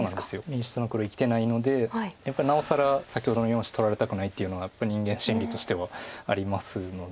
右下の黒生きてないのでやっぱりなおさら先ほどの４子取られたくないっていうのはやっぱり人間心理としてはありますので。